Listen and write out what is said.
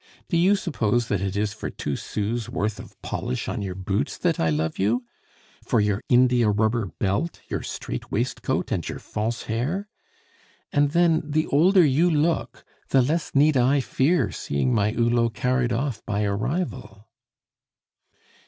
Do you suppose that it is for two sous' worth of polish on your boots that I love you? For your india rubber belt, your strait waistcoat, and your false hair? And then, the older you look, the less need I fear seeing my Hulot carried off by a rival."